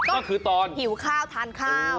อ้าก็คือตอนหิวข้าวทานข้าวอืม